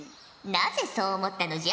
なぜそう思ったのじゃ？